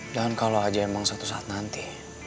dan kalau aja emang satu saat nanti